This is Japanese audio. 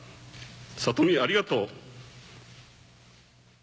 怜美ありがとう。